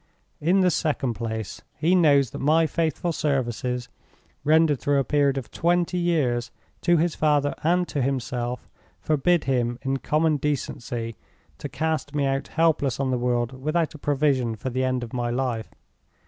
In the second place, he knows that my faithful services, rendered through a period of twenty years, to his father and to himself, forbid him, in common decency, to cast me out helpless on the world without a provision for the end of my life.